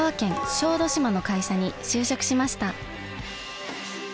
小豆島の会社に就職しました。